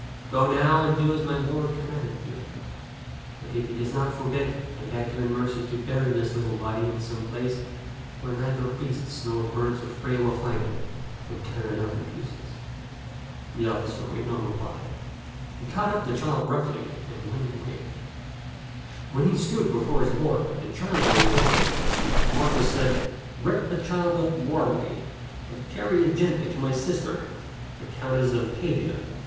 Go now and do as my lord commanded you ; but if he does not forbid, I beg you in mercy to bury this little body in some place where neither beasts nor birds of prey will find it and tear it in pieces." The officer made no reply. He caught up the child roughly and went his way. When he stood before his lord with the child in his arms, the Marquis said, " Wrap the child up warmly I50 t^tCUxk'0 tak and carry it gently to my sister, the Countess of Pavia.